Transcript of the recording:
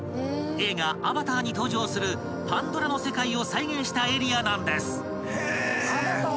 映画『アバター』に登場するパンドラの世界を再現したエリアなんです］